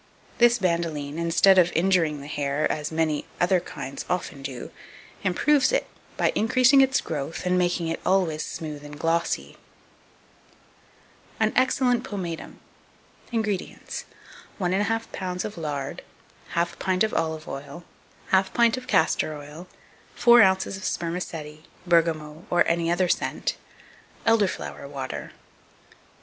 This bandoline, instead of injuring the hair, as many other kinds often do, improves it, by increasing its growth, and making it always smooth and glossy. An excellent Pomatum. 2256. INGREDIENTS. 1 1/2 lb. of lard, 1/2 pint of olive oil, 1/2 pint of castor oil, 4 oz. of spermaceti, bergamot, or any other scent; elder flower water.